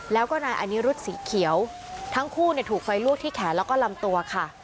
แล้วก็นายอนิรุธสีเขียวทั้งคู่ถูกไฟลวกที่แขนแล้วก็ลำตัวค่ะ